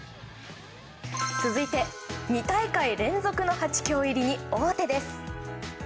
続いて、２大会連続の８強入りに大手です。